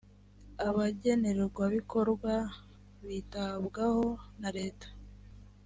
abagenerwabikorwa bitabwaho na leta.